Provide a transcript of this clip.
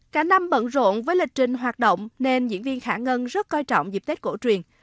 cả năm bận rộn với lịch trình hoạt động nên diễn viên khả ngân rất coi trọng dịp tết cổ truyền